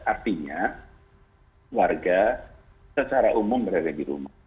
artinya warga secara umum berada di rumah